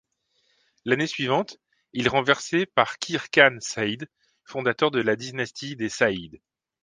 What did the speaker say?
L'année suivante il renversé par Khizr Khân Sayyîd, fondateur de la dynastie des Sayyîd.